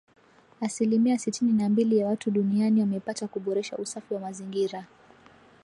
Asilimia sitini na mbili ya watu duniani wamepata kuboresha usafi wa mazingira